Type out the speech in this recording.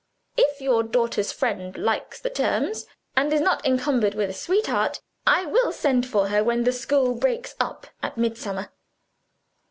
If your daughter's friend likes the terms, and is not encumbered with a sweetheart, I will send for her when the school breaks up at midsummer.